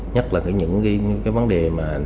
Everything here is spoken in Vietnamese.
nhất là những vấn đề